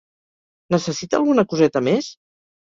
Necessita alguna coseta més?